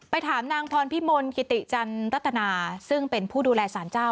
ถามนางพรพิมลกิติจันรัตนาซึ่งเป็นผู้ดูแลสารเจ้า